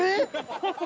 ハハハハ！